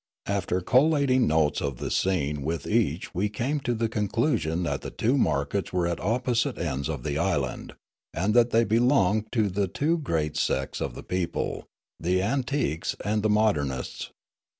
After collating notes of the scene with each we came to the conclusion that the two markets were at opposite ends of the island, and that they belonged to the two great sects of the people, the antiques and the modernists.